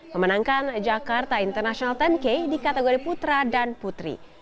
memenangkan jakarta international sepuluh k di kategori putra dan putri